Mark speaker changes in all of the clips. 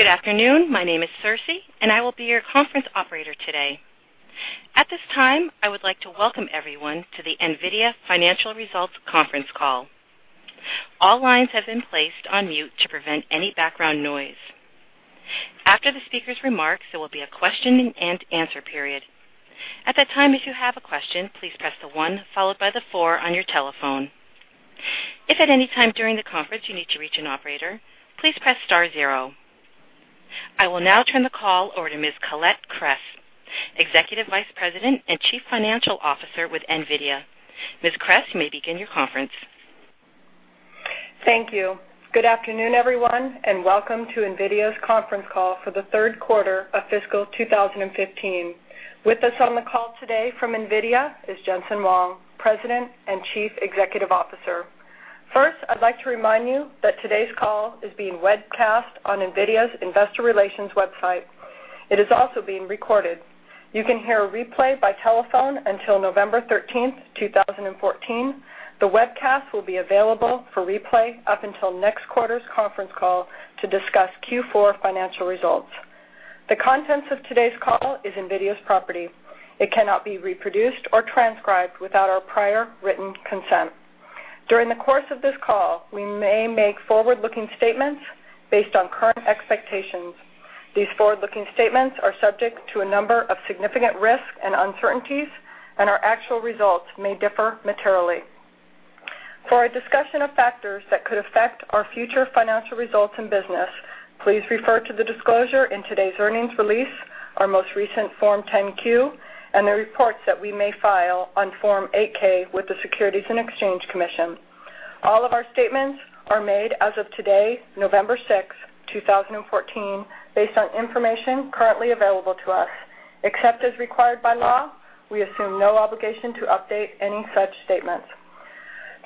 Speaker 1: Good afternoon. My name is Circe, and I will be your conference operator today. At this time, I would like to welcome everyone to the NVIDIA Financial Results Conference Call. All lines have been placed on mute to prevent any background noise. After the speaker's remarks, there will be a question and answer period. At that time, if you have a question, please press the one followed by the four on your telephone. If at any time during the conference you need to reach an operator, please press star zero. I will now turn the call over to Ms. Colette Kress, Executive Vice President and Chief Financial Officer with NVIDIA. Ms. Kress, you may begin your conference.
Speaker 2: Thank you. Good afternoon, everyone, and welcome to NVIDIA's conference call for the third quarter of fiscal 2015. With us on the call today from NVIDIA is Jensen Huang, President and Chief Executive Officer. First, I'd like to remind you that today's call is being webcast on NVIDIA's investor relations website. It is also being recorded. You can hear a replay by telephone until November 13th, 2014. The webcast will be available for replay up until next quarter's conference call to discuss Q4 financial results. The contents of today's call is NVIDIA's property. It cannot be reproduced or transcribed without our prior written consent. During the course of this call, we may make forward-looking statements based on current expectations. These forward-looking statements are subject to a number of significant risks and uncertainties, and our actual results may differ materially. For a discussion of factors that could affect our future financial results and business, please refer to the disclosure in today's earnings release, our most recent Form 10-Q, and the reports that we may file on Form 8-K with the Securities and Exchange Commission. All of our statements are made as of today, November 6, 2014, based on information currently available to us. Except as required by law, we assume no obligation to update any such statements.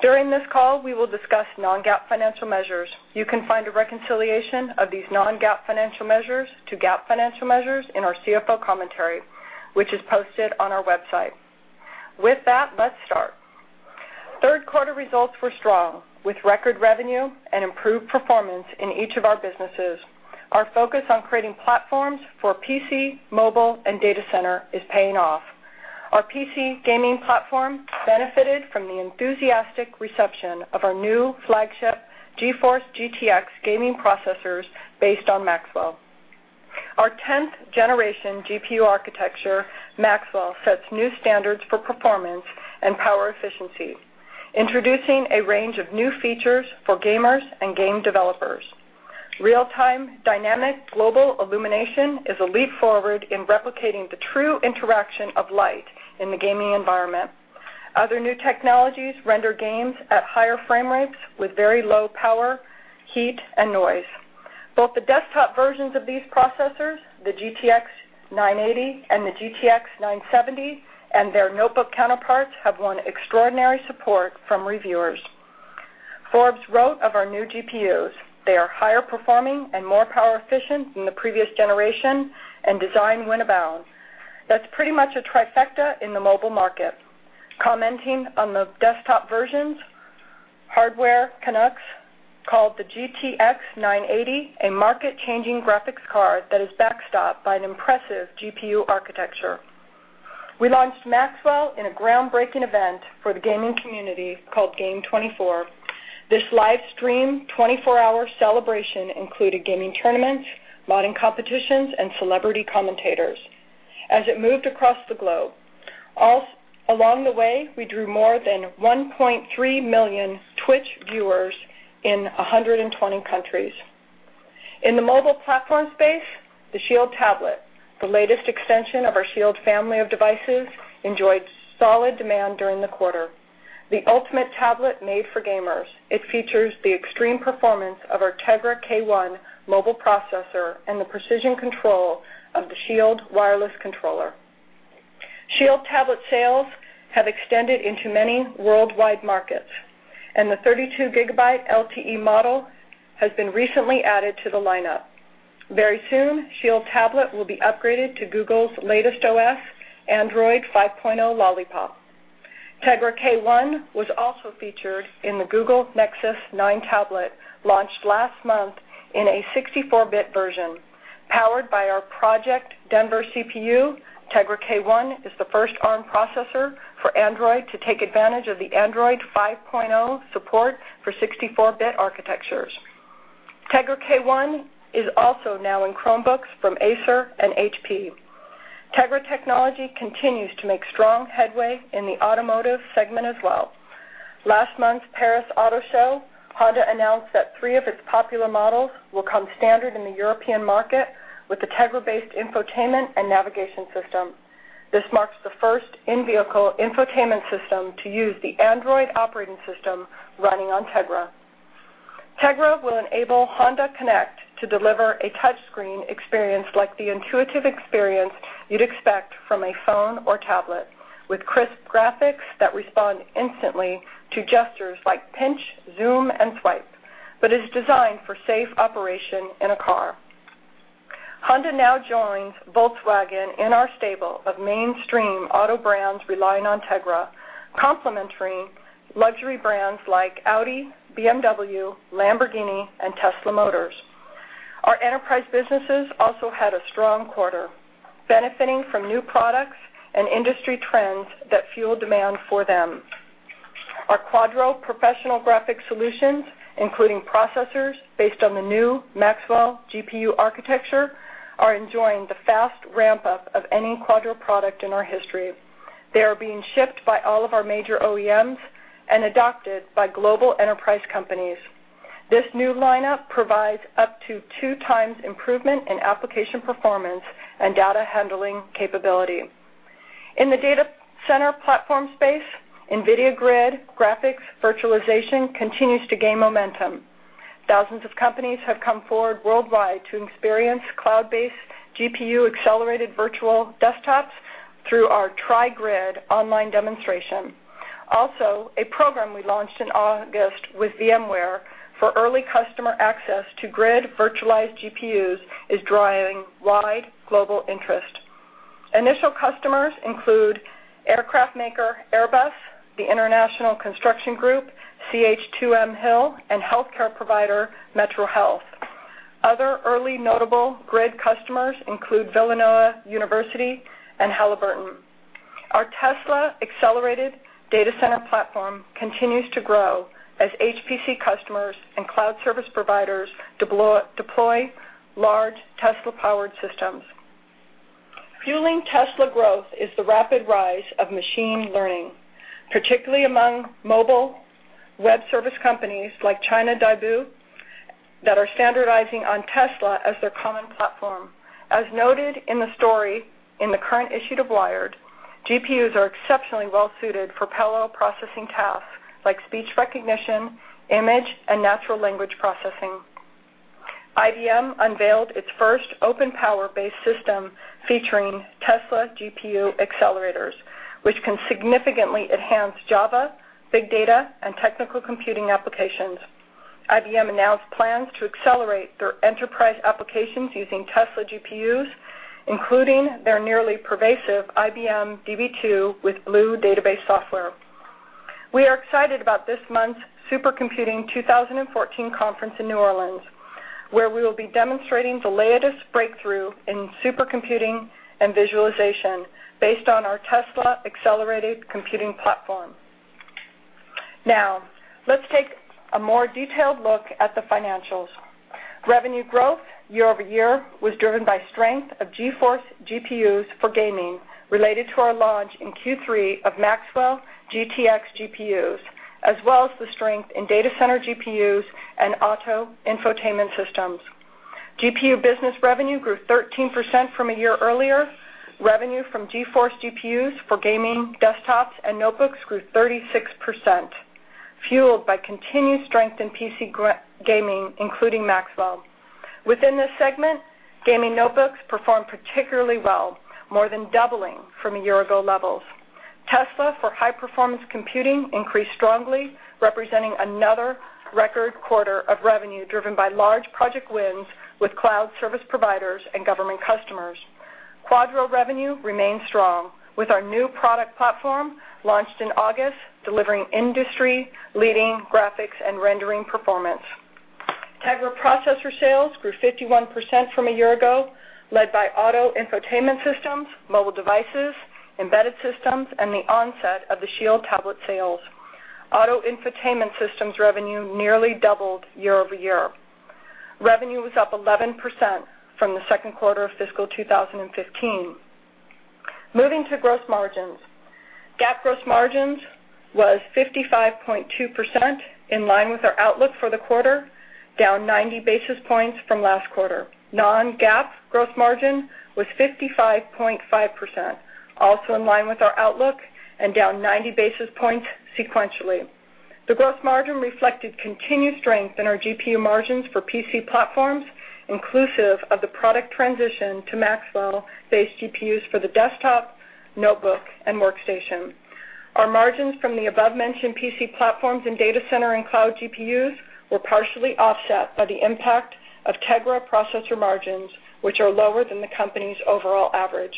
Speaker 2: During this call, we will discuss non-GAAP financial measures. You can find a reconciliation of these non-GAAP financial measures to GAAP financial measures in our CFO commentary, which is posted on our website. With that, let's start. Third quarter results were strong, with record revenue and improved performance in each of our businesses. Our focus on creating platforms for PC, mobile, and data center is paying off. Our PC gaming platform benefited from the enthusiastic reception of our new flagship GeForce GTX gaming processors based on Maxwell. Our 10th generation GPU architecture, Maxwell, sets new standards for performance and power efficiency, introducing a range of new features for gamers and game developers. Real-time dynamic global illumination is a leap forward in replicating the true interaction of light in the gaming environment. Other new technologies render games at higher frame rates with very low power, heat, and noise. Both the desktop versions of these processors, the GTX 980 and the GTX 970, and their notebook counterparts, have won extraordinary support from reviewers. Forbes wrote of our new GPUs, "They are higher performing and more power efficient than the previous generation and design win abounds. That's pretty much a trifecta in the mobile market. Commenting on the desktop versions, Hardware Canucks called the GeForce GTX 980 a market-changing graphics card that is backstopped by an impressive GPU architecture. We launched Maxwell in a groundbreaking event for the gaming community called Game24. This live stream 24-hour celebration included gaming tournaments, modding competitions, and celebrity commentators. As it moved across the globe, along the way, we drew more than 1.3 million Twitch viewers in 120 countries. In the mobile platform space, the SHIELD Tablet, the latest extension of our SHIELD family of devices, enjoyed solid demand during the quarter. The ultimate tablet made for gamers, it features the extreme performance of our Tegra K1 mobile processor and the precision control of the SHIELD wireless controller. SHIELD Tablet sales have extended into many worldwide markets, and the 32 gigabyte LTE model has been recently added to the lineup. Very soon, SHIELD Tablet will be upgraded to Google's latest OS, Android 5.0 Lollipop. Tegra K1 was also featured in the Google Nexus 9 tablet, launched last month in a 64-bit version. Powered by our Project Denver CPU, Tegra K1 is the first Arm processor for Android to take advantage of the Android 5.0 support for 64-bit architectures. Tegra K1 is also now in Chromebooks from Acer and HP. Tegra technology continues to make strong headway in the automotive segment as well. Last month's Paris Auto Show, Honda announced that three of its popular models will come standard in the European market with the Tegra-based infotainment and navigation system. This marks the first in-vehicle infotainment system to use the Android operating system running on Tegra. Tegra will enable Honda Connect to deliver a touch screen experience like the intuitive experience you'd expect from a phone or tablet, with crisp graphics that respond instantly to gestures like pinch, zoom, and swipe, but is designed for safe operation in a car. Honda now joins Volkswagen in our stable of mainstream auto brands relying on Tegra, complementary luxury brands like Audi, BMW, Lamborghini, and Tesla Motors. Our enterprise businesses also had a strong quarter, benefiting from new products and industry trends that fuel demand for them. Our Quadro professional graphic solutions, including processors based on the new Maxwell GPU architecture, are enjoying the fast ramp-up of any Quadro product in our history. They are being shipped by all of our major OEMs and adopted by global enterprise companies. This new lineup provides up to two times improvement in application performance and data handling capability. In the data center platform space, NVIDIA GRID graphics virtualization continues to gain momentum. Thousands of companies have come forward worldwide to experience cloud-based GPU-accelerated virtual desktops through our tryGRID online demonstration. Also, a program we launched in August with VMware for early customer access to GRID virtualized GPUs is driving wide global interest. Initial customers include aircraft maker Airbus, the international construction group, CH2M Hill, and healthcare provider MetroHealth. Other early notable GRID customers include Villanova University and Halliburton. Our Tesla accelerated data center platform continues to grow as HPC customers and cloud service providers deploy large Tesla-powered systems. Fueling Tesla growth is the rapid rise of machine learning, particularly among mobile web service companies like Baidu, that are standardizing on Tesla as their common platform. As noted in the story in the current issue to Wired, GPUs are exceptionally well suited for parallel processing tasks like speech recognition, image, and natural language processing. IBM unveiled its first OpenPOWER-based system featuring Tesla GPU accelerators, which can significantly enhance Java, big data, and technical computing applications. IBM announced plans to accelerate their enterprise applications using Tesla GPUs, including their nearly pervasive IBM DB2 with BLU Acceleration database software. We are excited about this month's Supercomputing 2014 conference in New Orleans, where we will be demonstrating the latest breakthrough in supercomputing and visualization based on our Tesla accelerated computing platform. Let's take a more detailed look at the financials. Revenue growth year-over-year was driven by strength of GeForce GPUs for gaming related to our launch in Q3 of Maxwell GTX GPUs, as well as the strength in data center GPUs and auto infotainment systems. GPU business revenue grew 13% from a year earlier. Revenue from GeForce GPUs for gaming desktops and notebooks grew 36%, fueled by continued strength in PC gaming, including Maxwell. Within this segment, gaming notebooks performed particularly well, more than doubling from a year ago levels. Tesla for high-performance computing increased strongly, representing another record quarter of revenue driven by large project wins with cloud service providers and government customers. Quadro revenue remained strong, with our new product platform launched in August, delivering industry-leading graphics and rendering performance. Tegra processor sales grew 51% from a year ago, led by auto infotainment systems, mobile devices, embedded systems, and the onset of the SHIELD Tablet sales. Auto infotainment systems revenue nearly doubled year-over-year. Revenue was up 11% from the second quarter of fiscal 2015. Moving to gross margins. GAAP gross margins was 55.2%, in line with our outlook for the quarter, down 90 basis points from last quarter. Non-GAAP gross margin was 55.5%, also in line with our outlook and down 90 basis points sequentially. The gross margin reflected continued strength in our GPU margins for PC platforms, inclusive of the product transition to Maxwell-based GPUs for the desktop, notebook, and workstation. Our margins from the above-mentioned PC platforms and data center and cloud GPUs were partially offset by the impact of Tegra processor margins, which are lower than the company's overall average.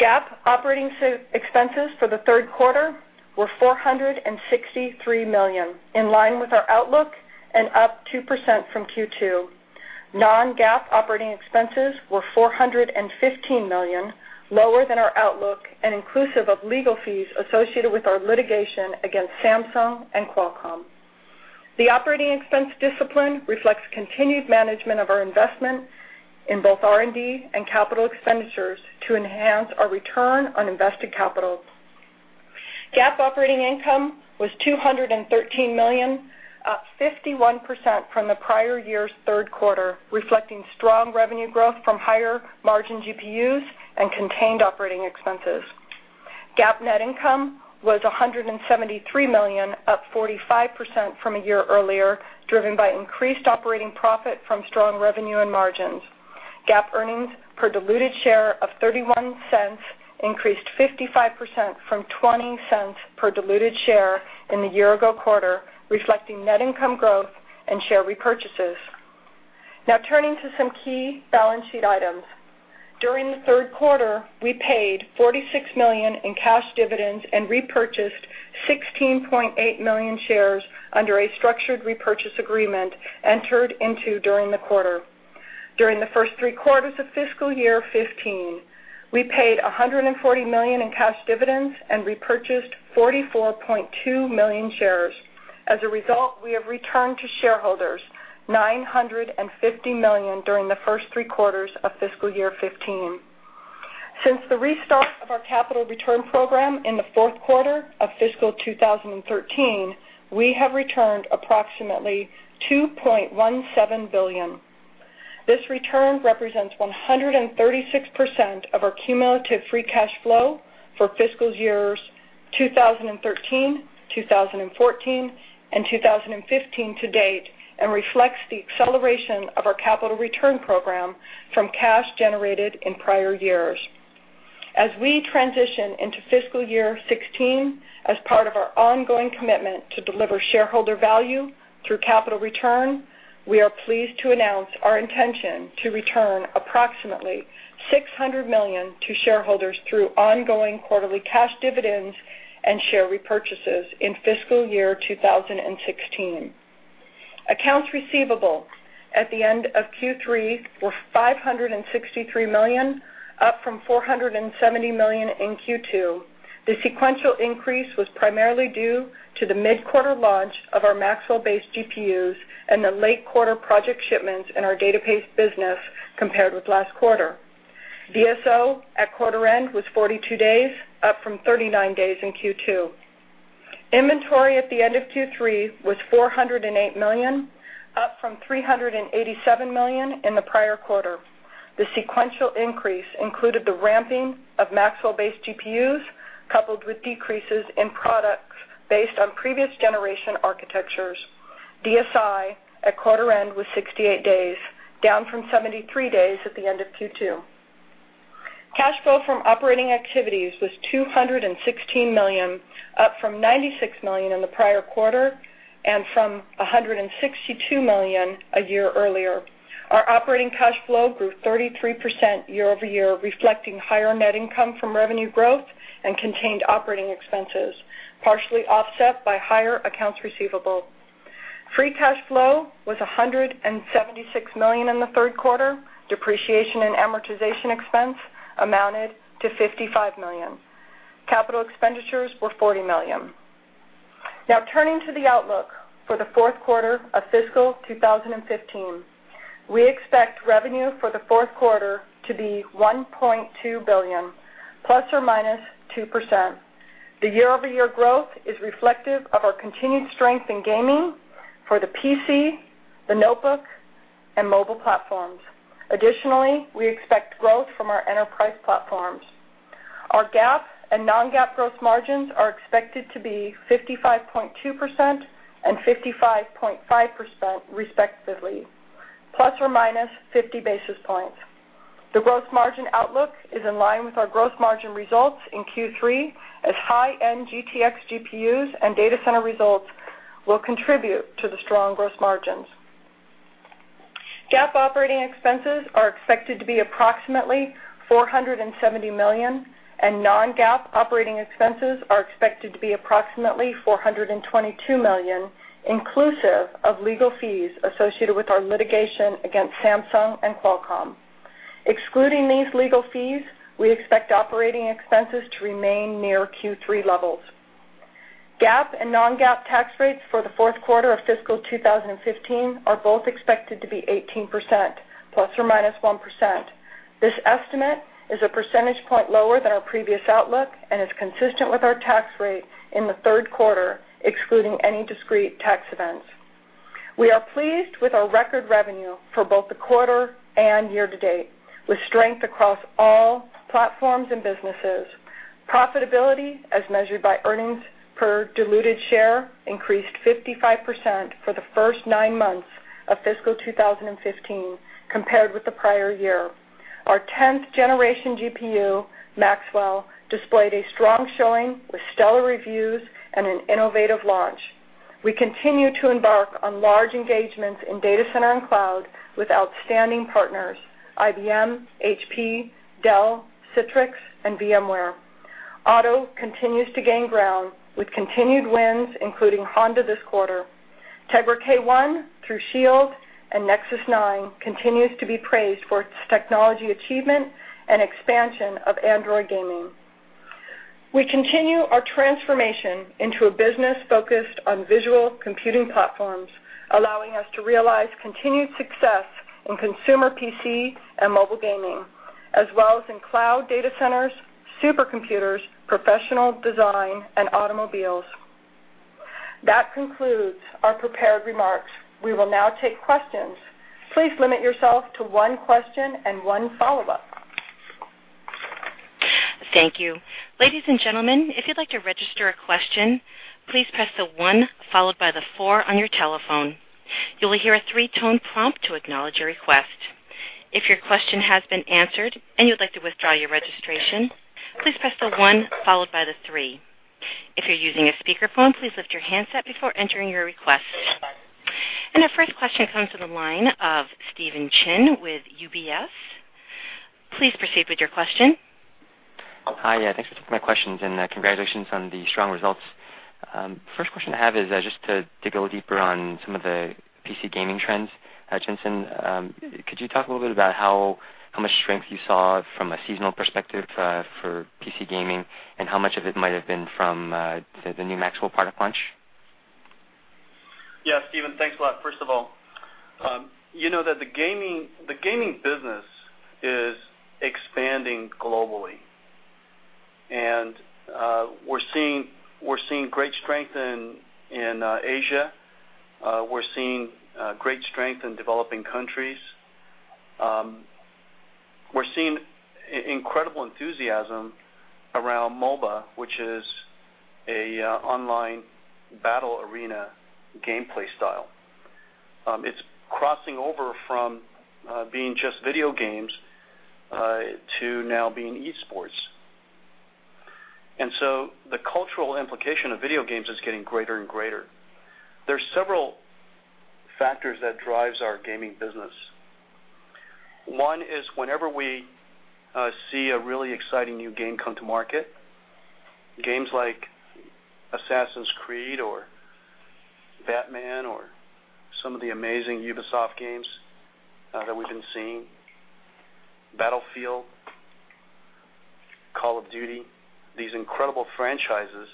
Speaker 2: GAAP operating expenses for the third quarter were $463 million, in line with our outlook and up 2% from Q2. Non-GAAP operating expenses were $415 million, lower than our outlook and inclusive of legal fees associated with our litigation against Samsung and Qualcomm. The operating expense discipline reflects continued management of our investment in both R&D and capital expenditures to enhance our return on invested capital. GAAP operating income was $213 million, up 51% from the prior year's third quarter, reflecting strong revenue growth from higher margin GPUs and contained operating expenses. GAAP net income was $173 million, up 45% from a year earlier, driven by increased operating profit from strong revenue and margins. GAAP earnings per diluted share of $0.31 increased 55% from $0.20 per diluted share in the year-ago quarter, reflecting net income growth and share repurchases. Turning to some key balance sheet items. During the third quarter, we paid $46 million in cash dividends and repurchased 16.8 million shares under a structured repurchase agreement entered into during the quarter. During the first three quarters of fiscal year 2015, we paid $140 million in cash dividends and repurchased 44.2 million shares. As a result, we have returned to shareholders $950 million during the first three quarters of fiscal year 2015. Since the restart of our capital return program in the fourth quarter of fiscal 2013, we have returned approximately $2.17 billion. This return represents 136% of our cumulative free cash flow for fiscal years 2013, 2014, and 2015 to date and reflects the acceleration of our capital return program from cash generated in prior years. As we transition into fiscal year 2016, as part of our ongoing commitment to deliver shareholder value through capital return, we are pleased to announce our intention to return approximately $600 million to shareholders through ongoing quarterly cash dividends and share repurchases in fiscal year 2016. Accounts receivable at the end of Q3 were $563 million, up from $470 million in Q2. The sequential increase was primarily due to the mid-quarter launch of our Maxwell-based GPUs and the late quarter project shipments in our data center business compared with last quarter. DSO at quarter end was 42 days, up from 39 days in Q2. Inventory at the end of Q3 was $408 million, up from $387 million in the prior quarter. The sequential increase included the ramping of Maxwell-based GPUs, coupled with decreases in products based on previous generation architectures. DSI at quarter end was 68 days, down from 73 days at the end of Q2. Cash flow from operating activities was $216 million, up from $96 million in the prior quarter and from $162 million a year earlier. Our operating cash flow grew 33% year-over-year, reflecting higher net income from revenue growth and contained operating expenses, partially offset by higher accounts receivable. Free cash flow was $176 million in the third quarter. Depreciation and amortization expense amounted to $55 million. Capital expenditures were $40 million. Turning to the outlook for the fourth quarter of fiscal 2015. We expect revenue for the fourth quarter to be $1.2 billion, plus or minus 2%. The year-over-year growth is reflective of our continued strength in gaming for the PC, the notebook, and mobile platforms. Additionally, we expect growth from our enterprise platforms. Our GAAP and non-GAAP gross margins are expected to be 55.2% and 55.5%, respectively, plus or minus 50 basis points. The gross margin outlook is in line with our gross margin results in Q3, as high-end GTX GPUs and data center results will contribute to the strong gross margins. GAAP operating expenses are expected to be approximately $470 million, non-GAAP operating expenses are expected to be approximately $422 million, inclusive of legal fees associated with our litigation against Samsung and Qualcomm. Excluding these legal fees, we expect operating expenses to remain near Q3 levels. GAAP and non-GAAP tax rates for the fourth quarter of fiscal 2015 are both expected to be 18%, plus or minus 1%. This estimate is a percentage point lower than our previous outlook and is consistent with our tax rate in the third quarter, excluding any discrete tax events. We are pleased with our record revenue for both the quarter and year to date, with strength across all platforms and businesses. Profitability, as measured by earnings per diluted share, increased 55% for the first nine months of fiscal 2015 compared with the prior year. Our tenth-generation GPU, Maxwell, displayed a strong showing with stellar reviews and an innovative launch. We continue to embark on large engagements in data center and cloud with outstanding partners, IBM, HP, Dell, Citrix, and VMware. Auto continues to gain ground with continued wins, including Honda this quarter. Tegra K1 through SHIELD and Nexus 9 continues to be praised for its technology achievement and expansion of Android gaming. We continue our transformation into a business focused on visual computing platforms, allowing us to realize continued success in consumer PC and mobile gaming, as well as in cloud data centers, supercomputers, professional design, and automobiles. That concludes our prepared remarks. We will now take questions. Please limit yourself to one question and one follow-up.
Speaker 1: Thank you. Ladies and gentlemen, if you'd like to register a question, please press the one followed by the four on your telephone. You will hear a three-tone prompt to acknowledge your request. If your question has been answered and you'd like to withdraw your registration, please press the one followed by the three. If you're using a speakerphone, please lift your handset before entering your request. Our first question comes to the line of Steven Chin with UBS. Please proceed with your question.
Speaker 3: Hi. Thanks for taking my questions, and congratulations on the strong results. First question I have is just to go deeper on some of the PC gaming trends. Jensen, could you talk a little bit about how much strength you saw from a seasonal perspective for PC gaming, and how much of it might have been from the new Maxwell product launch?
Speaker 4: Steven, thanks a lot. First of all, the gaming business is expanding globally. We're seeing great strength in Asia. We're seeing great strength in developing countries. We're seeing incredible enthusiasm around MOBA, which is an online battle arena gameplay style. It's crossing over from being just video games to now being esports. The cultural implication of video games is getting greater and greater. There are several factors that drives our gaming business. One is whenever we see a really exciting new game come to market, games like Assassin's Creed, or Batman, or some of the amazing Ubisoft games that we've been seeing, Battlefield, Call of Duty, these incredible franchises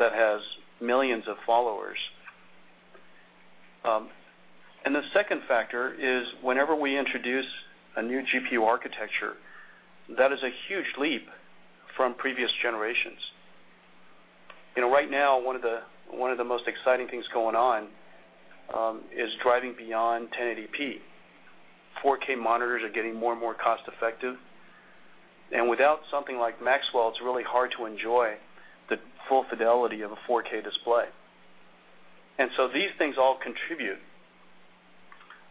Speaker 4: that has millions of followers. The second factor is whenever we introduce a new GPU architecture, that is a huge leap from previous generations. Right now, one of the most exciting things going on is driving beyond 1080p. 4K monitors are getting more and more cost-effective. Without something like Maxwell, it's really hard to enjoy the full fidelity of a 4K display. These things all contribute.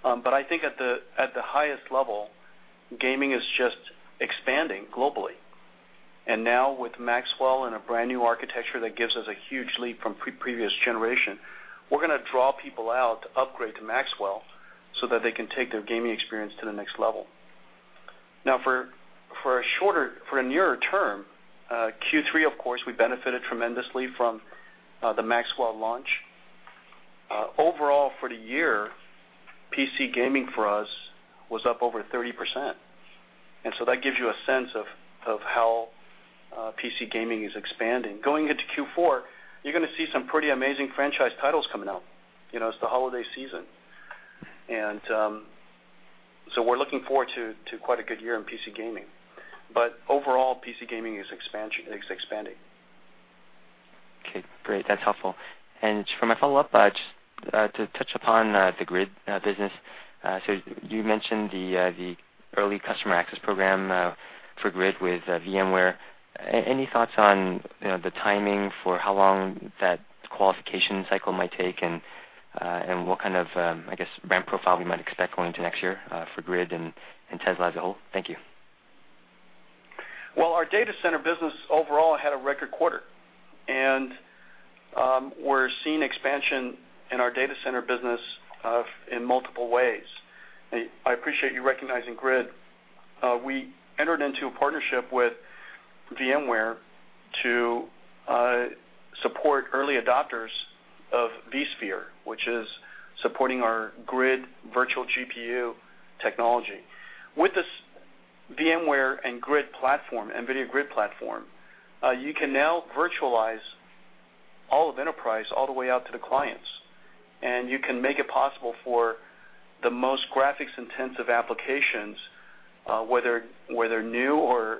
Speaker 4: I think at the highest level, gaming is just expanding globally. Now with Maxwell and a brand new architecture that gives us a huge leap from previous generation, we're going to draw people out to upgrade to Maxwell so that they can take their gaming experience to the next level. Now, for a nearer term, Q3, of course, we benefited tremendously from the Maxwell launch. Overall for the year, PC gaming for us was up over 30%. That gives you a sense of how PC gaming is expanding. Going into Q4, you're going to see some pretty amazing franchise titles coming out. It's the holiday season. We're looking forward to quite a good year in PC gaming. Overall, PC gaming is expanding.
Speaker 3: Okay, great. That's helpful. For my follow-up, just to touch upon the GRID business. You mentioned the early customer access program for GRID with VMware. Any thoughts on the timing for how long that qualification cycle might take and what kind of ramp profile we might expect going into next year for GRID and Tesla as a whole? Thank you.
Speaker 4: Well, our data center business overall had a record quarter, and we're seeing expansion in our data center business in multiple ways. I appreciate you recognizing GRID. We entered into a partnership with VMware to support early adopters of vSphere, which is supporting our GRID virtual GPU technology. With this VMware and NVIDIA GRID platform, you can now virtualize all of enterprise all the way out to the clients, and you can make it possible for the most graphics-intensive applications, whether new or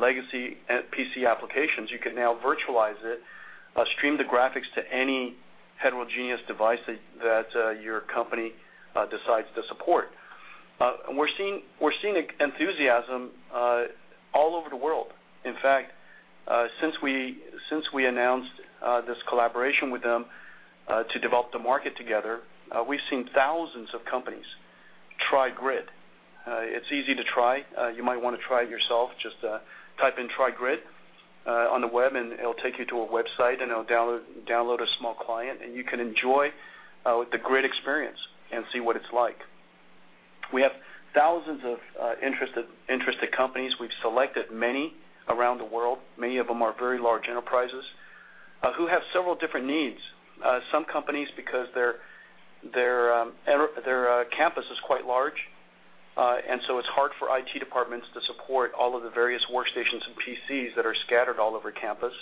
Speaker 4: legacy PC applications, you can now virtualize it, stream the graphics to any heterogeneous device that your company decides to support. We're seeing enthusiasm all over the world. In fact, since we announced this collaboration with them to develop the market together, we've seen thousands of companies try GRID. It's easy to try. You might want to try it yourself. Just type in tryGRID on the web. It'll take you to a website. It'll download a small client. You can enjoy the GRID experience and see what it's like. We have thousands of interested companies. We've selected many around the world. Many of them are very large enterprises who have several different needs. Some companies, because their campus is quite large, it's hard for IT departments to support all of the various workstations and PCs that are scattered all over campus.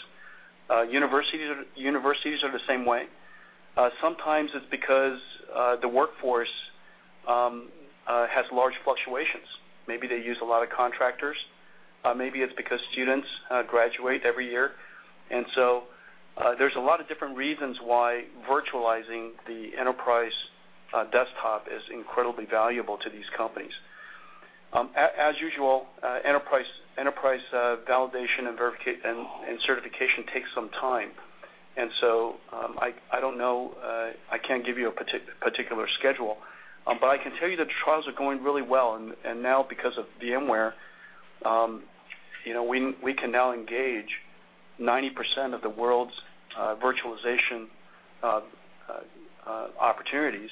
Speaker 4: Universities are the same way. Sometimes it's because the workforce has large fluctuations. Maybe they use a lot of contractors. Maybe it's because students graduate every year. There's a lot of different reasons why virtualizing the enterprise desktop is incredibly valuable to these companies. As usual, enterprise validation and certification takes some time. I don't know. I can't give you a particular schedule. I can tell you the trials are going really well. Now because of VMware, we can now engage 90% of the world's virtualization opportunities.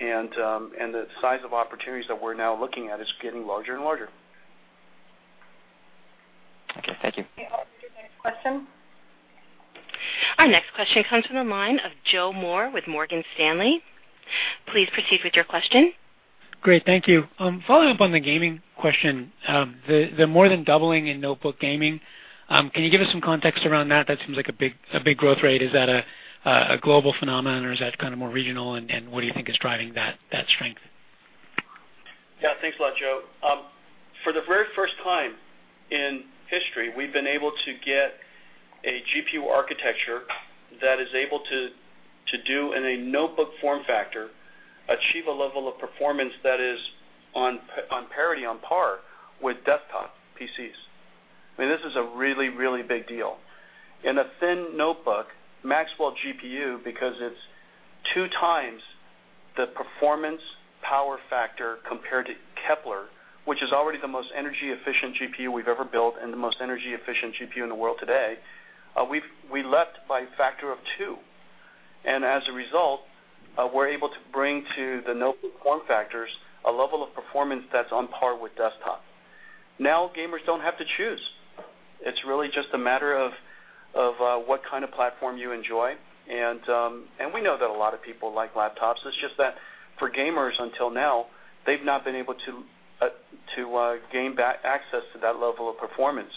Speaker 4: The size of opportunities that we're now looking at is getting larger and larger.
Speaker 3: Okay, thank you.
Speaker 1: Our next question comes from the line of Joe Moore with Morgan Stanley. Please proceed with your question.
Speaker 5: Great. Thank you. Following up on the gaming question, the more than doubling in notebook gaming, can you give us some context around that? That seems like a big growth rate. Is that a global phenomenon or is that more regional? What do you think is driving that strength?
Speaker 4: Yeah. Thanks a lot, Joe. For the very first time in history, we've been able to get a GPU architecture that is able to do in a notebook form factor, achieve a level of performance that is on parity, on par with desktop PCs. This is a really big deal. In a thin notebook, Maxwell GPU, because it's two times the performance power factor compared to Kepler, which is already the most energy-efficient GPU we've ever built and the most energy-efficient GPU in the world today, we leapt by a factor of two. As a result, we're able to bring to the notebook form factors a level of performance that's on par with desktop. Now gamers don't have to choose. It's really just a matter of what kind of platform you enjoy, and we know that a lot of people like laptops. It's just that for gamers until now, they've not been able to gain access to that level of performance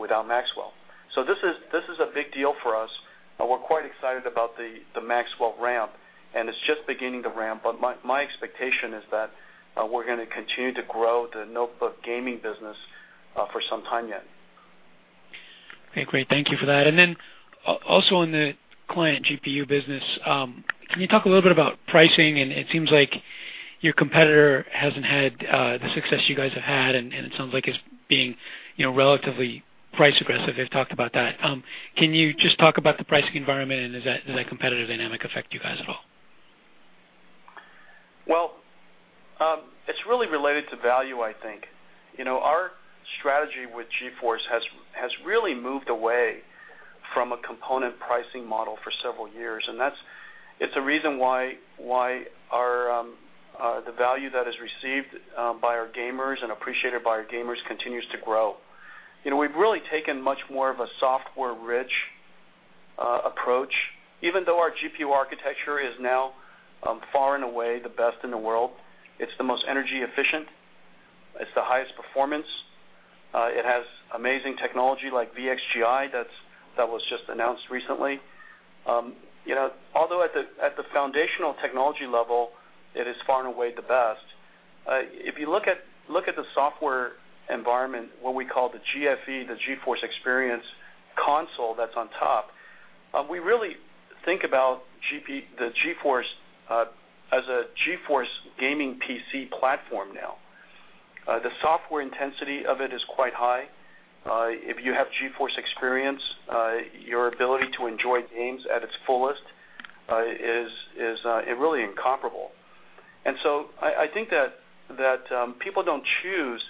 Speaker 4: without Maxwell. This is a big deal for us. We're quite excited about the Maxwell ramp, and it's just beginning to ramp. My expectation is that we're going to continue to grow the notebook gaming business for some time yet.
Speaker 5: Okay, great. Thank you for that. Also on the client GPU business, can you talk a little bit about pricing? It seems like your competitor hasn't had the success you guys have had, and it sounds like it's being relatively price-aggressive. They've talked about that. Can you just talk about the pricing environment, and does that competitive dynamic affect you guys at all?
Speaker 4: Well, it's really related to value, I think. Our strategy with GeForce has really moved away from a component pricing model for several years, and it's a reason why the value that is received by our gamers and appreciated by our gamers continues to grow. We've really taken much more of a software-rich approach. Even though our GPU architecture is now far and away the best in the world, it's the most energy efficient, it's the highest performance, it has amazing technology like VXGI that was just announced recently. Although at the foundational technology level, it is far and away the best. If you look at the software environment, what we call the GFE, the GeForce Experience console that's on top, we really think about the GeForce as a GeForce gaming PC platform now. The software intensity of it is quite high. If you have GeForce Experience, your ability to enjoy games at its fullest is really incomparable. I think that people don't choose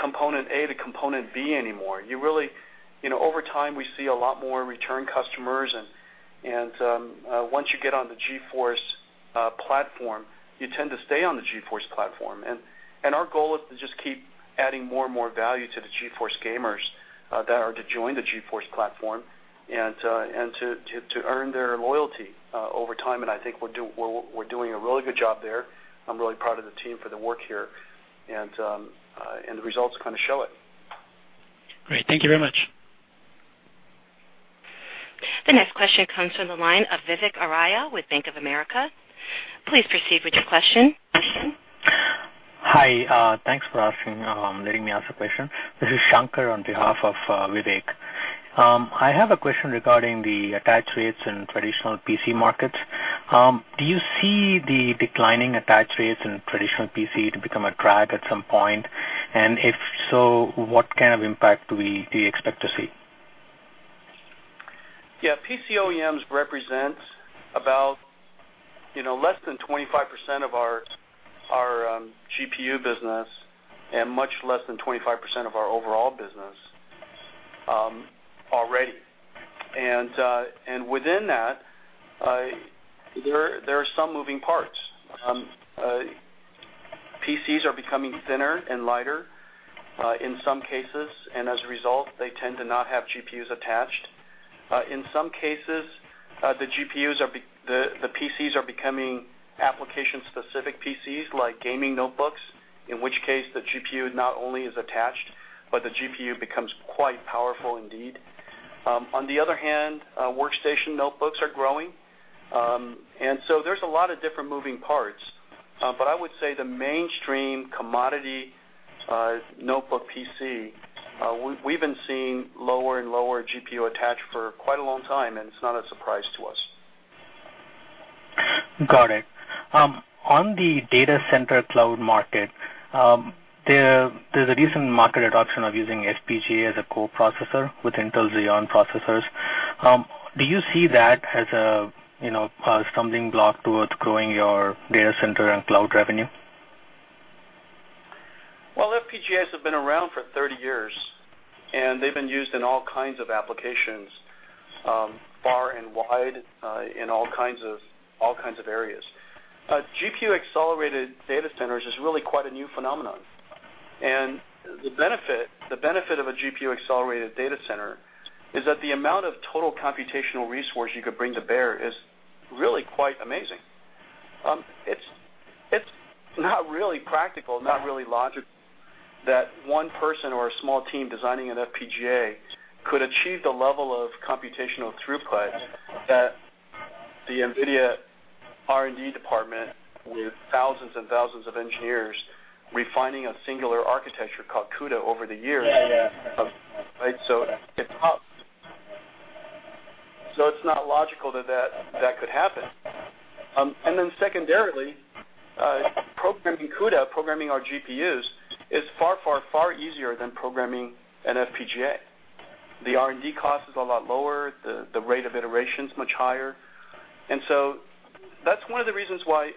Speaker 4: component A to component B anymore. Over time, we see a lot more return customers, and once you get on the GeForce platform, you tend to stay on the GeForce platform. Our goal is to just keep adding more and more value to the GeForce gamers that are to join the GeForce platform and to earn their loyalty over time. I'm really proud of the team for the work here, and the results show it.
Speaker 5: Great. Thank you very much.
Speaker 1: The next question comes from the line of Vivek Arya with Bank of America. Please proceed with your question.
Speaker 6: Hi. Thanks for letting me ask a question. This is Shankar on behalf of Vivek. I have a question regarding the attach rates in traditional PC markets. Do you see the declining attach rates in traditional PC to become a drag at some point? If so, what kind of impact do you expect to see?
Speaker 4: Yeah. PC OEMs represent about less than 25% of our GPU business and much less than 25% of our overall business already. Within that, there are some moving parts. PCs are becoming thinner and lighter in some cases, and as a result, they tend to not have GPUs attached. In some cases, the PCs are becoming application-specific PCs like gaming notebooks, in which case the GPU not only is attached, but the GPU becomes quite powerful indeed. On the other hand, workstation notebooks are growing. So there's a lot of different moving parts. I would say the mainstream commodity notebook PC, we've been seeing lower and lower GPU attach for quite a long time, and it's not a surprise to us.
Speaker 6: Got it. On the data center cloud market, there's a recent market adoption of using FPGA as a co-processor with Intel Xeon processors. Do you see that as a stumbling block towards growing your data center and cloud revenue?
Speaker 4: Well, FPGAs have been around for 30 years, and they've been used in all kinds of applications far and wide in all kinds of areas. GPU-accelerated data centers is really quite a new phenomenon, and the benefit of a GPU-accelerated data center is that the amount of total computational resource you could bring to bear is really quite amazing. It's not really practical, not really logical, that one person or a small team designing an FPGA could achieve the level of computational throughput that the NVIDIA R&D department with thousands and thousands of engineers refining a singular architecture called CUDA over the years.
Speaker 6: Yeah
Speaker 4: Right? It's not logical that could happen. Secondarily, programming CUDA, programming our GPUs is far, far, far easier than programming an FPGA. The R&D cost is a lot lower, the rate of iteration is much higher. That's one of the reasons why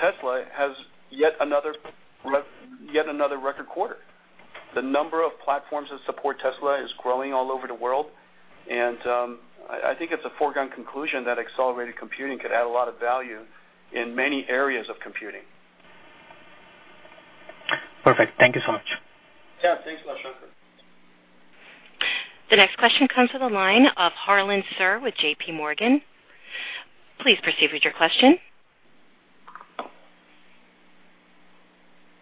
Speaker 4: Tesla has yet another record quarter. The number of platforms that support Tesla is growing all over the world, and I think it's a foregone conclusion that accelerated computing could add a lot of value in many areas of computing.
Speaker 6: Perfect. Thank you so much.
Speaker 4: Yeah. Thanks a lot, Shankar.
Speaker 1: The next question comes to the line of Harlan Sur with JPMorgan. Please proceed with your question.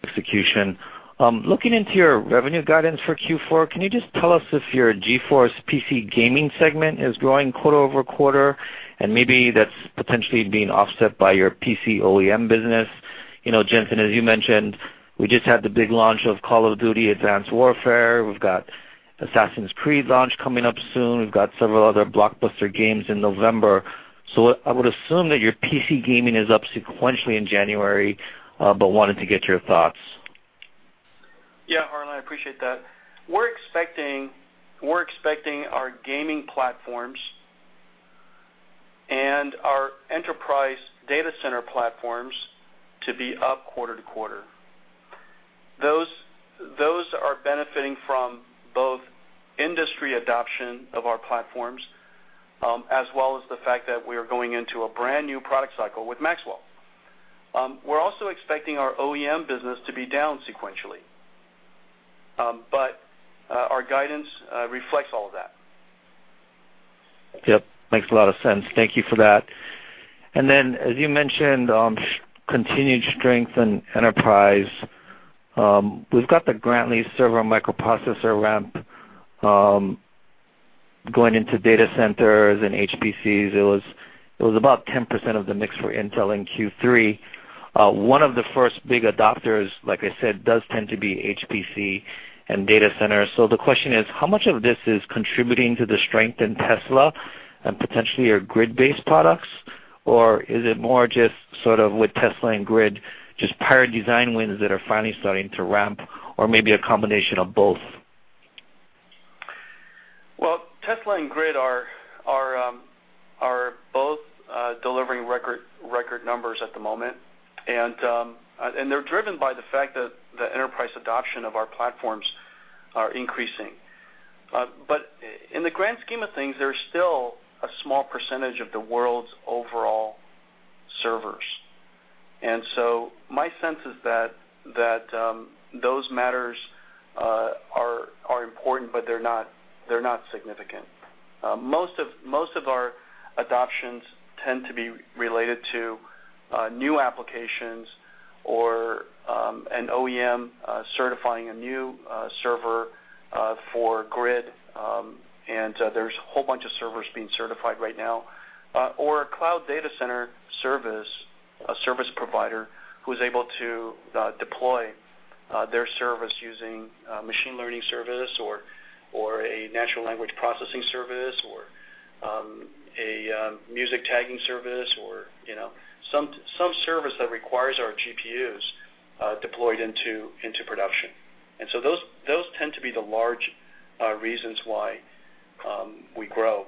Speaker 7: Execution. Looking into your revenue guidance for Q4, can you just tell us if your GeForce PC gaming segment is growing quarter-over-quarter, and maybe that's potentially being offset by your PC OEM business? Jensen, as you mentioned, we just had the big launch of Call of Duty: Advanced Warfare. We've got Assassin's Creed launch coming up soon. We've got several other blockbuster games in November. I would assume that your PC gaming is up sequentially in January, but wanted to get your thoughts.
Speaker 4: Yeah, Harlan, I appreciate that. We're expecting our gaming platforms and our enterprise data center platforms to be up quarter-to-quarter. Those are benefiting from both industry adoption of our platforms, as well as the fact that we are going into a brand-new product cycle with Maxwell. We're also expecting our OEM business to be down sequentially. Our guidance reflects all of that.
Speaker 7: Yep, makes a lot of sense. Thank you for that. As you mentioned, continued strength in enterprise. We've got the Grantley server microprocessor ramp going into data centers and HPCs. It was about 10% of the mix for Intel in Q3. One of the first big adopters, like I said, does tend to be HPC and data centers. The question is, how much of this is contributing to the strength in Tesla and potentially your GRID-based products? Or is it more just sort of with Tesla and GRID, just prior design wins that are finally starting to ramp, or maybe a combination of both?
Speaker 4: Tesla and GRID are both delivering record numbers at the moment, and they're driven by the fact that the enterprise adoption of our platforms are increasing. In the grand scheme of things, they're still a small percentage of the world's overall servers. My sense is that those matters are important, but they're not significant. Most of our adoptions tend to be related to new applications or an OEM certifying a new server for GRID, and there's a whole bunch of servers being certified right now, or a cloud data center service, a service provider who's able to deploy their service using machine learning service or a natural language processing service or a music tagging service or some service that requires our GPUs deployed into production. Those tend to be the large reasons why we grow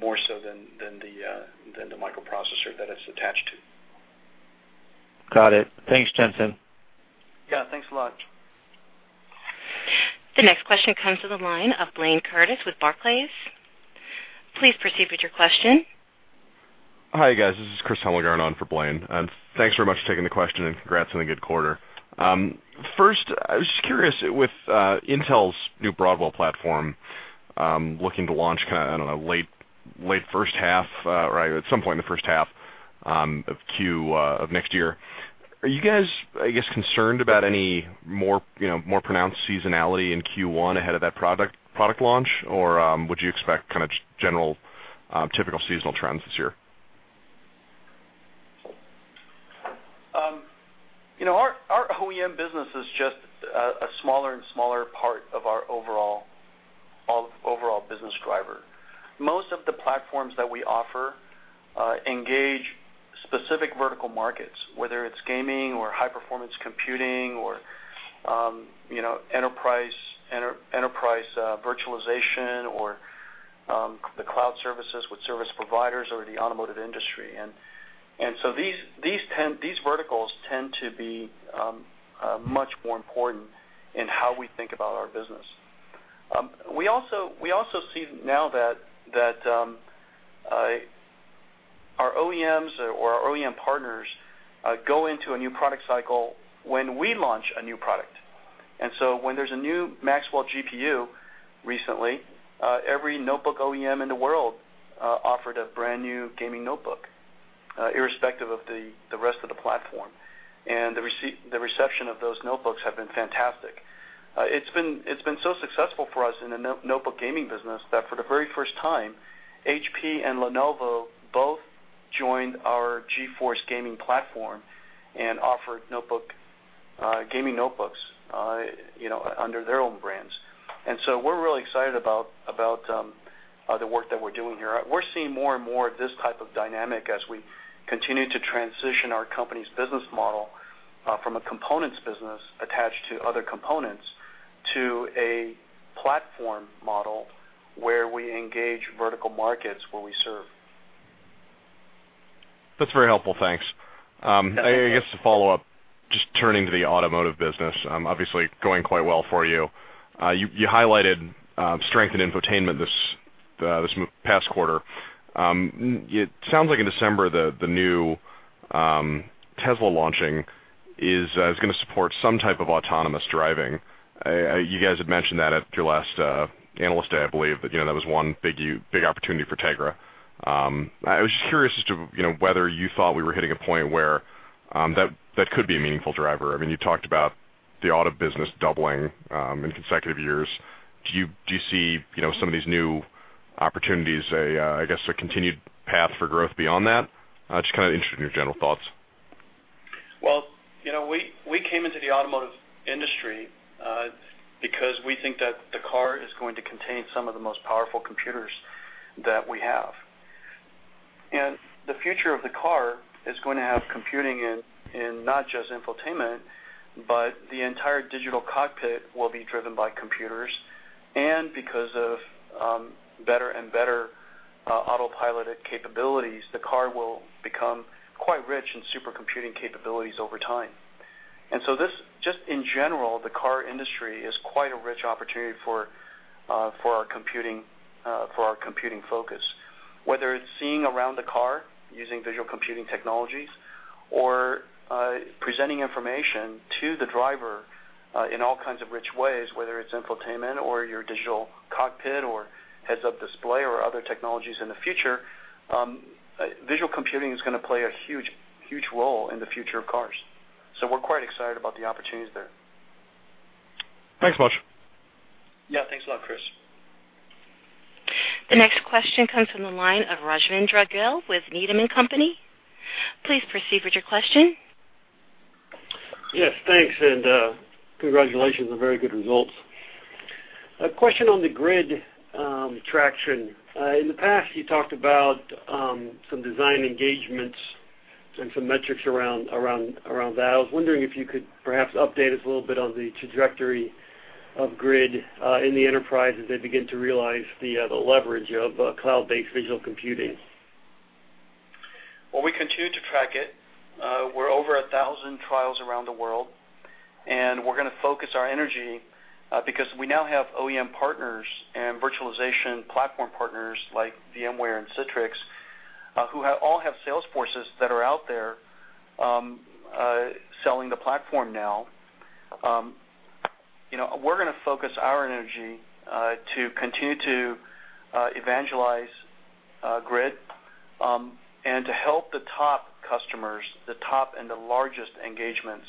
Speaker 4: more so than the microprocessor that it's attached to.
Speaker 7: Got it. Thanks, Jensen.
Speaker 4: Yeah. Thanks a lot.
Speaker 1: The next question comes to the line of Blayne Curtis with Barclays. Please proceed with your question.
Speaker 8: Hi, guys. This is Chris Hemmelgarn on for Blayne, thanks very much for taking the question and congrats on a good quarter. First, I was just curious with Intel's new Broadwell platform, looking to launch kind of, I don't know, late first half or at some point in the first half of next year. Are you guys, I guess, concerned about any more pronounced seasonality in Q1 ahead of that product launch, or would you expect kind of general typical seasonal trends this year?
Speaker 4: Our OEM business is just a smaller and smaller part of our overall business driver. Most of the platforms that we offer engage specific vertical markets, whether it's gaming or high-performance computing or enterprise virtualization or the cloud services with service providers or the automotive industry. These verticals tend to be much more important in how we think about our business. We also see now that our OEMs or our OEM partners go into a new product cycle when we launch a new product. When there's a new Maxwell GPU recently, every notebook OEM in the world offered a brand-new gaming notebook, irrespective of the rest of the platform. The reception of those notebooks have been fantastic. It's been so successful for us in the notebook gaming business that for the very first time, HP and Lenovo both joined our GeForce gaming platform and offered gaming notebooks under their own brands. We're really excited about the work that we're doing here. We're seeing more and more of this type of dynamic as we continue to transition our company's business model from a components business attached to other components, to a platform model where we engage vertical markets where we serve.
Speaker 8: That's very helpful. Thanks. I guess to follow up, just turning to the automotive business, obviously going quite well for you. You highlighted strength in infotainment this past quarter. It sounds like in December, the new Tesla launching is going to support some type of autonomous driving. You guys had mentioned that at your last Analyst Day, I believe, that was one big opportunity for Tegra. I was just curious as to whether you thought we were hitting a point where that could be a meaningful driver. You talked about the auto business doubling in consecutive years. Do you see some of these new opportunities, I guess, a continued path for growth beyond that? Just kind of interested in your general thoughts.
Speaker 4: Well, we came into the automotive industry because we think that the car is going to contain some of the most powerful computers that we have. The future of the car is going to have computing in not just infotainment, but the entire digital cockpit will be driven by computers. Because of better and better autopiloted capabilities, the car will become quite rich in supercomputing capabilities over time. Just in general, the car industry is quite a rich opportunity for our computing focus. Whether it's seeing around the car using visual computing technologies or presenting information to the driver in all kinds of rich ways, whether it's infotainment or your digital cockpit or heads-up display or other technologies in the future, visual computing is going to play a huge role in the future of cars. We're quite excited about the opportunities there.
Speaker 8: Thanks much.
Speaker 4: Yeah, thanks a lot, Chris.
Speaker 1: The next question comes from the line of Rajvindra Gill with Needham & Company. Please proceed with your question.
Speaker 9: Yes, thanks. Congratulations on very good results. A question on the GRID traction. In the past, you talked about some design engagements and some metrics around that. I was wondering if you could perhaps update us a little bit on the trajectory of GRID in the enterprise as they begin to realize the leverage of cloud-based visual computing.
Speaker 4: Well, we continue to track it. We're over 1,000 trials around the world. We're going to focus our energy because we now have OEM partners and virtualization platform partners like VMware and Citrix, who all have sales forces that are out there selling the platform now. We're going to focus our energy to continue to evangelize GRID and to help the top customers, the top and the largest engagements,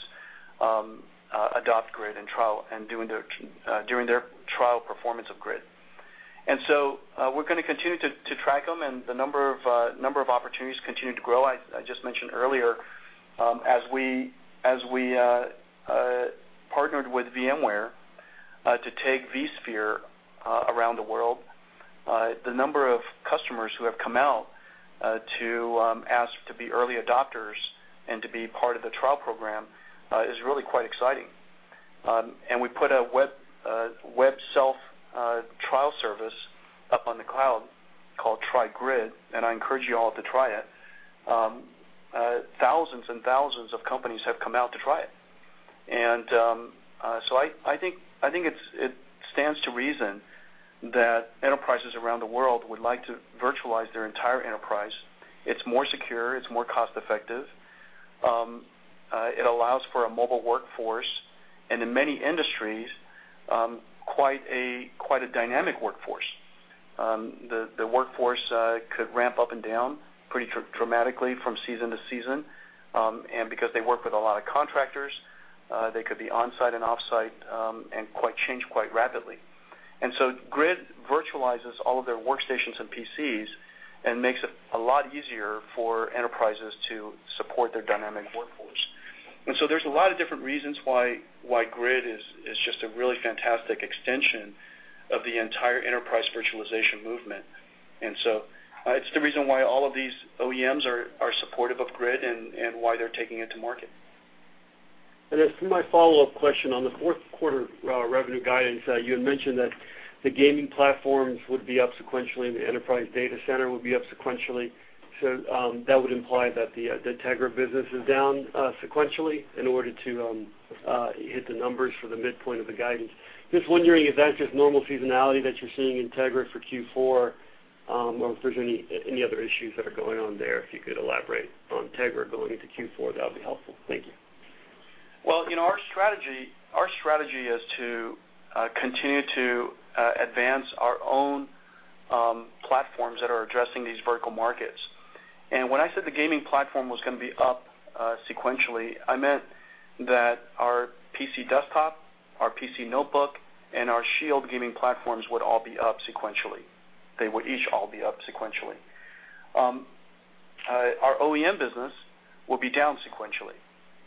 Speaker 4: adopt GRID and during their trial performance of GRID. We're going to continue to track them, and the number of opportunities continue to grow. I just mentioned earlier, as we partnered with VMware to take vSphere around the world, the number of customers who have come out to ask to be early adopters and to be part of the trial program is really quite exciting. We put a web self-trial service up on the cloud called tryGRID, and I encourage you all to try it. Thousands and thousands of companies have come out to try it. I think it stands to reason that enterprises around the world would like to virtualize their entire enterprise. It's more secure. It's more cost-effective. It allows for a mobile workforce and in many industries, quite a dynamic workforce. The workforce could ramp up and down pretty dramatically from season to season. Because they work with a lot of contractors They could be on-site and off-site, and change quite rapidly. GRID virtualizes all of their workstations and PCs and makes it a lot easier for enterprises to support their dynamic workforce. There's a lot of different reasons why GRID is just a really fantastic extension of the entire enterprise virtualization movement. It's the reason why all of these OEMs are supportive of GRID and why they're taking it to market.
Speaker 9: For my follow-up question, on the fourth quarter revenue guidance, you had mentioned that the gaming platforms would be up sequentially and the enterprise data center would be up sequentially. That would imply that the Tegra business is down sequentially in order to hit the numbers for the midpoint of the guidance. Just wondering if that's just normal seasonality that you're seeing in Tegra for Q4, or if there's any other issues that are going on there. If you could elaborate on Tegra going into Q4, that would be helpful. Thank you.
Speaker 4: Well, our strategy is to continue to advance our own platforms that are addressing these vertical markets. When I said the gaming platform was going to be up sequentially, I meant that our PC desktop, our PC notebook, and our SHIELD gaming platforms would all be up sequentially. They would each all be up sequentially. Our OEM business will be down sequentially,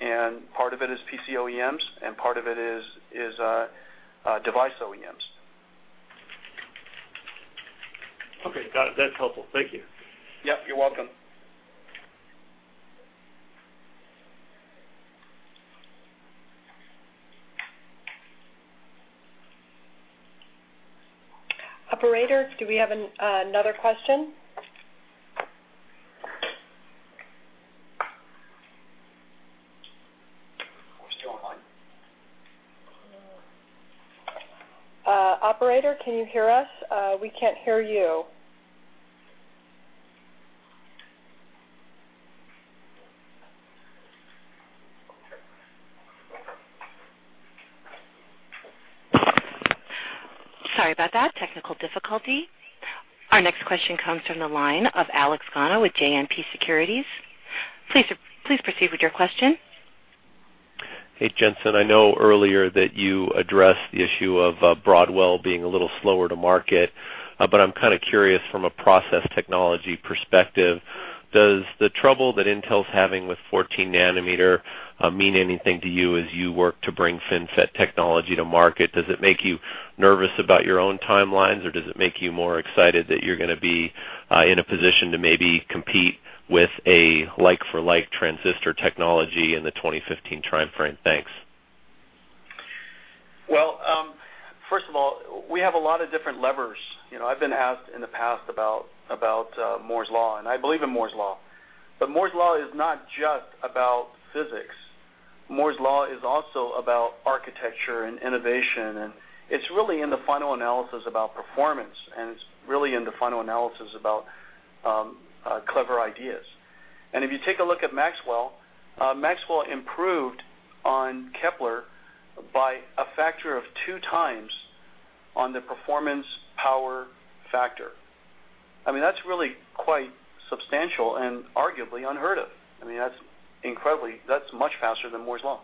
Speaker 4: and part of it is PC OEMs and part of it is device OEMs.
Speaker 9: Okay. Got it. That's helpful. Thank you.
Speaker 4: Yep, you're welcome.
Speaker 2: Operator, do we have another question?
Speaker 4: We're still on.
Speaker 2: Operator, can you hear us? We can't hear you.
Speaker 1: Sorry about that technical difficulty. Our next question comes from the line of Alex Gauna with JMP Securities. Please proceed with your question.
Speaker 10: Hey, Jensen. I know earlier that you addressed the issue of Broadwell being a little slower to market, but I'm curious from a process technology perspective, does the trouble that Intel's having with 14 nanometer mean anything to you as you work to bring FinFET technology to market? Does it make you nervous about your own timelines, or does it make you more excited that you're going to be in a position to maybe compete with a like-for-like transistor technology in the 2015 time frame? Thanks.
Speaker 4: Well, first of all, we have a lot of different levers. I've been asked in the past about Moore's Law. I believe in Moore's Law. Moore's Law is not just about physics. Moore's Law is also about architecture and innovation. It's really in the final analysis about performance. It's really in the final analysis about clever ideas. If you take a look at Maxwell improved on Kepler by a factor of two times on the performance power factor. That's really quite substantial and arguably unheard of. That's incredibly much faster than Moore's Law.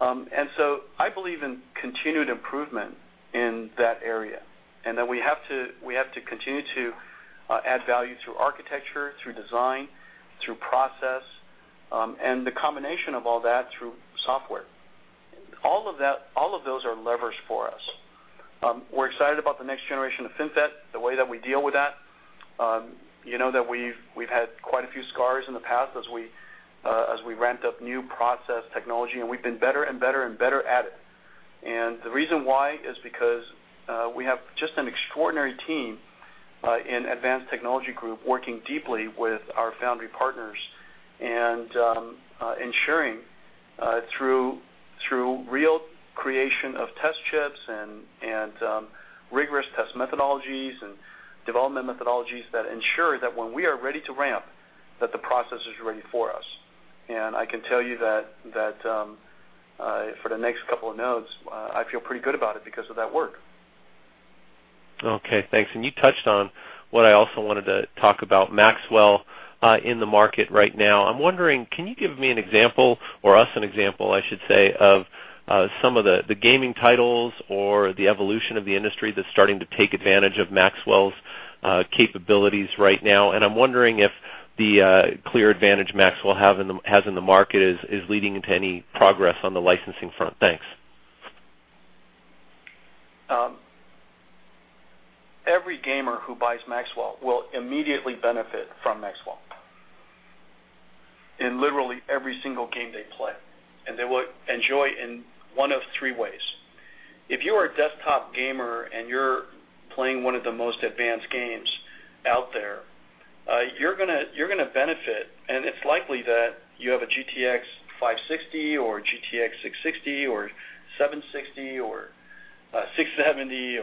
Speaker 4: I believe in continued improvement in that area, and that we have to continue to add value through architecture, through design, through process, and the combination of all that through software. All of those are levers for us. We're excited about the next generation of FinFET, the way that we deal with that. You know that we've had quite a few scars in the past as we ramped up new process technology, and we've been better and better at it. And the reason why is because we have just an extraordinary team in advanced technology group working deeply with our foundry partners and ensuring through real creation of test chips and rigorous test methodologies and development methodologies that ensure that when we are ready to ramp, that the process is ready for us. And I can tell you that for the next couple of nodes, I feel pretty good about it because of that work.
Speaker 10: Okay, thanks. And you touched on what I also wanted to talk about, Maxwell in the market right now. I'm wondering, can you give me an example, or us an example, I should say, of some of the gaming titles or the evolution of the industry that's starting to take advantage of Maxwell's capabilities right now? And I'm wondering if the clear advantage Maxwell has in the market is leading to any progress on the licensing front. Thanks.
Speaker 4: Every gamer who buys Maxwell will immediately benefit from Maxwell in literally every single game they play, and they will enjoy in one of three ways. If you are a desktop gamer and you're playing one of the most advanced games out there, you're going to benefit, and it's likely that you have a GeForce GTX 560 or a GeForce GTX 660 or 760 or 670.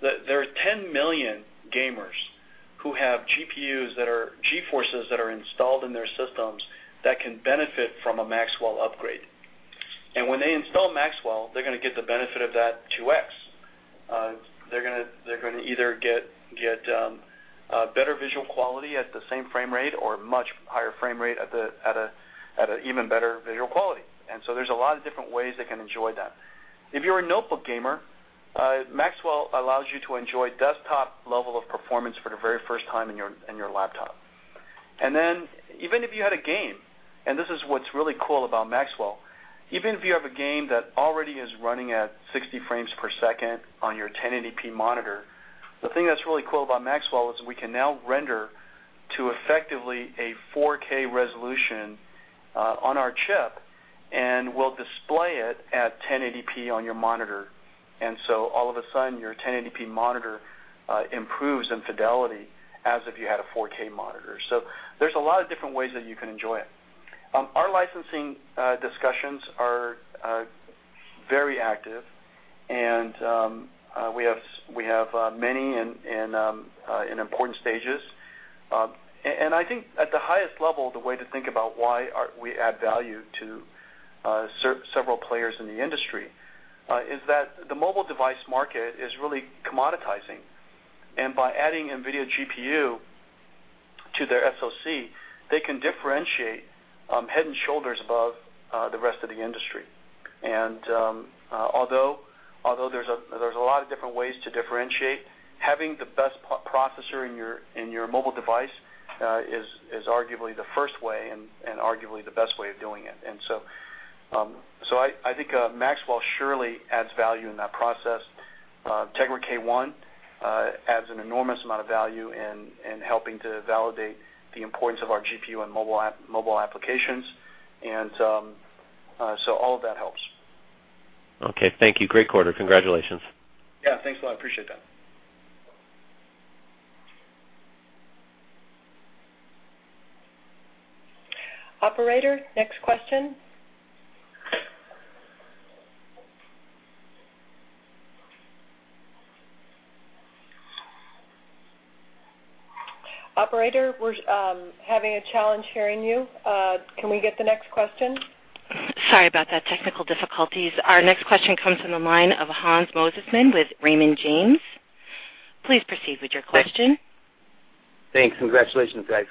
Speaker 4: There are 10 million gamers who have GPUs, GeForce's installed in their systems that can benefit from a Maxwell upgrade. When they install Maxwell, they're going to get the benefit of that 2X. They're going to either get better visual quality at the same frame rate or much higher frame rate at an even better visual quality. There's a lot of different ways they can enjoy that. If you're a notebook gamer, Maxwell allows you to enjoy desktop level of performance for the very first time in your laptop. Even if you had a game, and this is what's really cool about Maxwell, even if you have a game that already is running at 60 frames per second on your 1080p monitor, the thing that's really cool about Maxwell is we can now render to effectively a 4K resolution on our chip, and we'll display it at 1080p on your monitor. All of a sudden, your 1080p monitor improves in fidelity as if you had a 4K monitor. There's a lot of different ways that you can enjoy it. Our licensing discussions are very active, and we have many in important stages. I think at the highest level, the way to think about why we add value to several players in the industry is that the mobile device market is really commoditizing. By adding NVIDIA GPU to their SoC, they can differentiate head and shoulders above the rest of the industry. Although there's a lot of different ways to differentiate, having the best processor in your mobile device is arguably the first way and arguably the best way of doing it. I think Maxwell surely adds value in that process. Tegra K1 adds an enormous amount of value in helping to validate the importance of our GPU on mobile applications. All of that helps.
Speaker 10: Okay. Thank you. Great quarter. Congratulations.
Speaker 4: Yeah, thanks a lot. I appreciate that.
Speaker 2: Operator, next question. Operator, we're having a challenge hearing you. Can we get the next question?
Speaker 1: Sorry about that, technical difficulties. Our next question comes from the line of Hans Mosesmann with Raymond James. Please proceed with your question.
Speaker 11: Thanks. Congratulations, guys.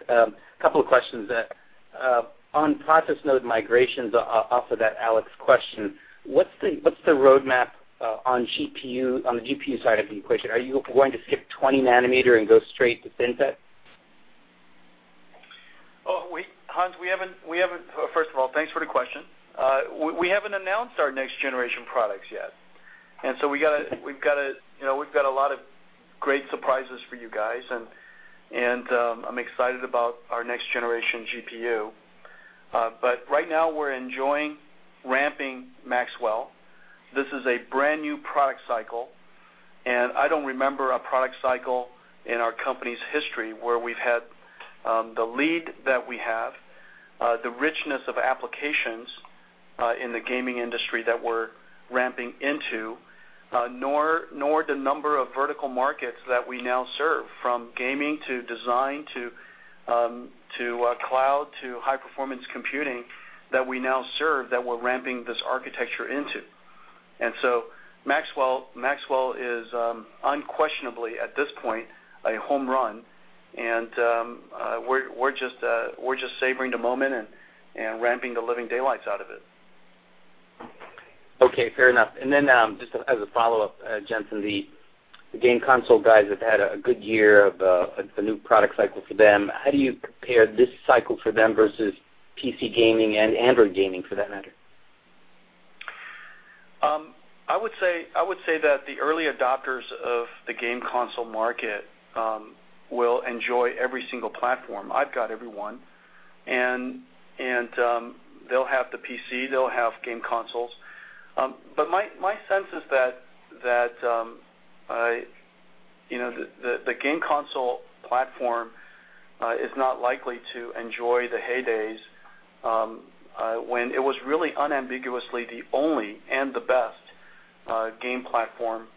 Speaker 11: Couple of questions. On process node migrations, off of that Alex question, what's the roadmap on the GPU side of the equation? Are you going to skip 20 nanometer and go straight to FinFET?
Speaker 4: Hans, first of all, thanks for the question. We haven't announced our next generation products yet. We've got a lot of great surprises for you guys, and I'm excited about our next generation GPU. Right now, we're enjoying ramping Maxwell. This is a brand new product cycle, and I don't remember a product cycle in our company's history where we've had the lead that we have, the richness of applications in the gaming industry that we're ramping into, nor the number of vertical markets that we now serve, from gaming to design to cloud to high performance computing that we now serve, that we're ramping this architecture into. Maxwell is unquestionably, at this point, a home run, and we're just savoring the moment and ramping the living daylights out of it.
Speaker 11: Okay, fair enough. Just as a follow-up, Jensen, the game console guys have had a good year of a new product cycle for them. How do you compare this cycle for them versus PC gaming and Android gaming for that matter?
Speaker 4: I would say that the early adopters of the game console market will enjoy every single platform. I've got every one, they'll have the PC, they'll have game consoles. My sense is that the game console platform is not likely to enjoy the heydays when it was really unambiguously the only and the best game platform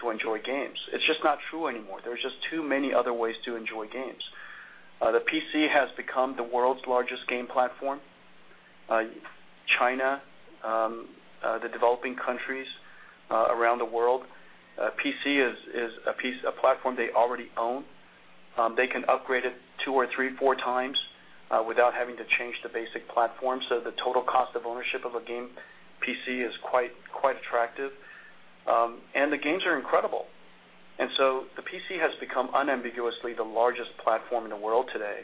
Speaker 4: to enjoy games. It's just not true anymore. There's just too many other ways to enjoy games. The PC has become the world's largest game platform. China, the developing countries around the world, PC is a platform they already own. They can upgrade it two or three, four times without having to change the basic platform. The total cost of ownership of a game PC is quite attractive. The games are incredible. The PC has become unambiguously the largest platform in the world today.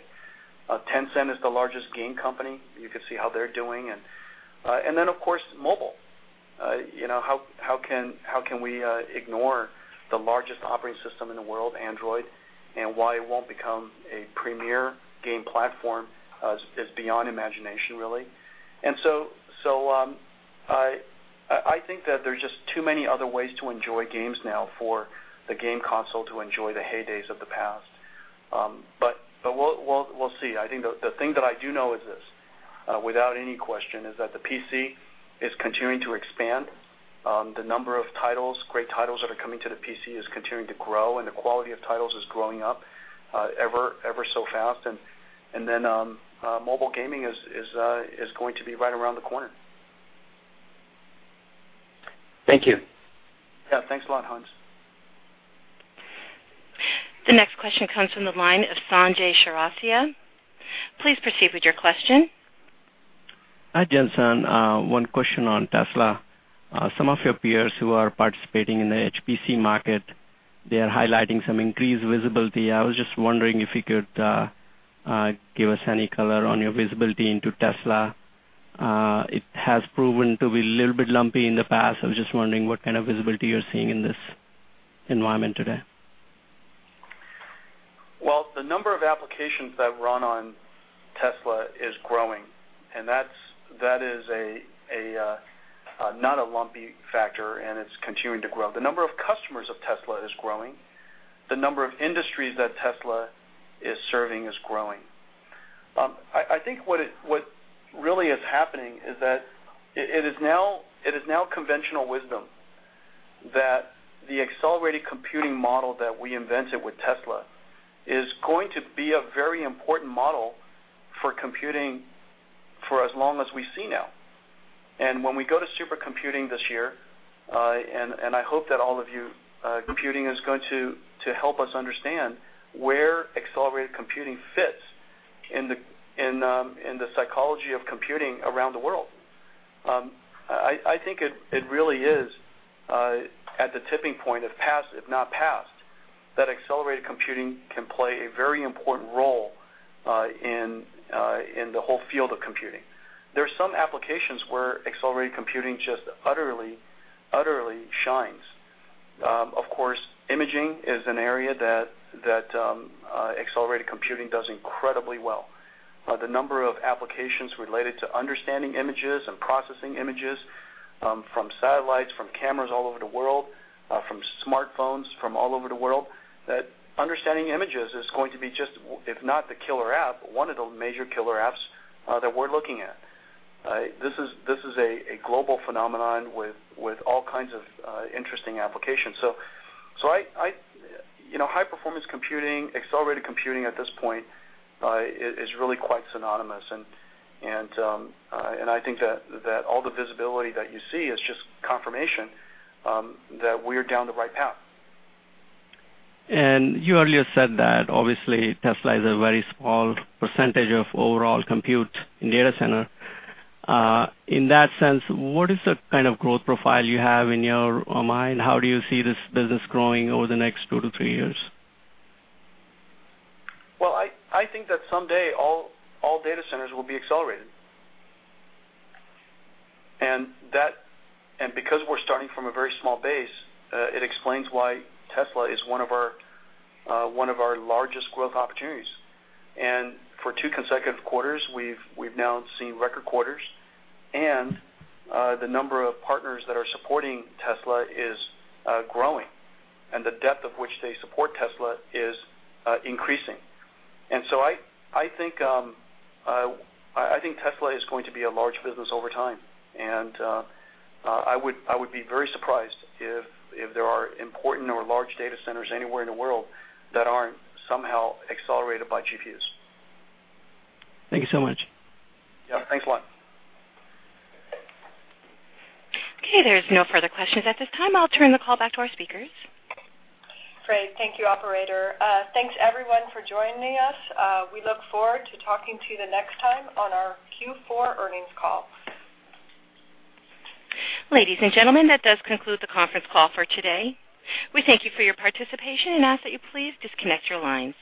Speaker 4: Tencent is the largest game company. You can see how they're doing. Of course, mobile. How can we ignore the largest operating system in the world, Android, and why it won't become a premier game platform is beyond imagination, really. I think that there's just too many other ways to enjoy games now for the game console to enjoy the heydays of the past. We'll see. I think the thing that I do know is this, without any question, is that the PC is continuing to expand. The number of titles, great titles that are coming to the PC is continuing to grow, and the quality of titles is growing up ever so fast. Mobile gaming is going to be right around the corner.
Speaker 11: Thank you.
Speaker 4: Yeah. Thanks a lot, Hans.
Speaker 1: The next question comes from the line of Sanjay Chaurasia. Please proceed with your question.
Speaker 12: Hi, Jensen. One question on Tesla. Some of your peers who are participating in the HPC market, they are highlighting some increased visibility. I was just wondering if you could give us any color on your visibility into Tesla. It has proven to be a little bit lumpy in the past. I was just wondering what kind of visibility you're seeing in this environment today.
Speaker 4: Well, the number of applications that run on Tesla is growing, and that is not a lumpy factor, and it's continuing to grow. The number of customers of Tesla is growing. The number of industries that Tesla is serving is growing. I think what really is happening is that it is now conventional wisdom that the accelerated computing model that we invented with Tesla is going to be a very important model for computing for as long as we see now. When we go to supercomputing this year, and I hope that all of you, computing is going to help us understand where accelerated computing fits in the psychology of computing around the world. I think it really is at the tipping point, if not past, that accelerated computing can play a very important role in the whole field of computing. There are some applications where accelerated computing just utterly shines. Of course, imaging is an area that accelerated computing does incredibly well. The number of applications related to understanding images and processing images from satellites, from cameras all over the world, from smartphones from all over the world, that understanding images is going to be just, if not the killer app, one of the major killer apps that we're looking at. This is a global phenomenon with all kinds of interesting applications. High-performance computing, accelerated computing at this point, is really quite synonymous, and I think that all the visibility that you see is just confirmation that we're down the right path.
Speaker 12: You earlier said that obviously Tesla is a very small percentage of overall compute in data center. In that sense, what is the kind of growth profile you have in your mind? How do you see this business growing over the next two to three years?
Speaker 4: Well, I think that someday all data centers will be accelerated. Because we're starting from a very small base, it explains why Tesla is one of our largest growth opportunities. For two consecutive quarters, we've now seen record quarters, and the number of partners that are supporting Tesla is growing, and the depth of which they support Tesla is increasing. I think Tesla is going to be a large business over time, and I would be very surprised if there are important or large data centers anywhere in the world that aren't somehow accelerated by GPUs.
Speaker 12: Thank you so much.
Speaker 4: Yeah. Thanks a lot.
Speaker 1: Okay, there's no further questions at this time. I'll turn the call back to our speakers.
Speaker 2: Great. Thank you, operator. Thanks, everyone, for joining us. We look forward to talking to you the next time on our Q4 earnings call.
Speaker 1: Ladies and gentlemen, that does conclude the conference call for today. We thank you for your participation and ask that you please disconnect your lines.